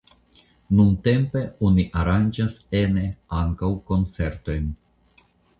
Nuntempe oni aranĝas ene ankaŭ koncertojn.